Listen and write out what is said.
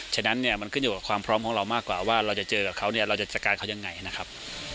ฉะนั้นเนี่ยมันขึ้นอยู่กับความพร้อมของเรามากกว่าว่าเราจะเจอกับเขาเนี่ยเราจะจัดการเขายังไงนะครับ